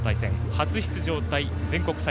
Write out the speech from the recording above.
初出場対全国大会